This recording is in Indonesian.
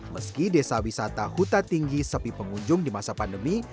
meski desa wisata huta tinggi sepi pengunjung di masa pandemi